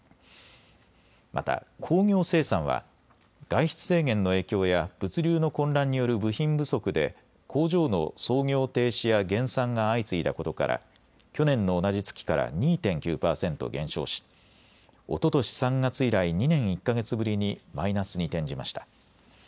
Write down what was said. また工業生産は外出制限の影響や物流の混乱による部品不足で工場の操業停止や減産が相次いだことから去年の同じ月から２．９％減少しおととし３月以来、２年１か月ぶりにマイナスに転じました。